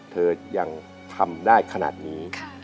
เธอยังทำได้ขนาดนี้